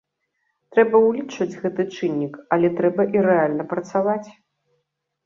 Трэба ўлічваць гэты чыннік, але трэба і рэальна працаваць.